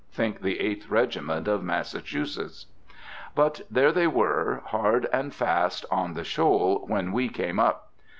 think the Eighth Regiment of Massachusetts. But there they were, hard and fast on the shoal, when we came up.